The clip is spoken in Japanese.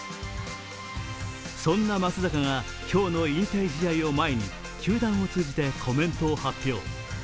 そんな松坂が今日の引退試合を前に球団を通じてコメントを発表。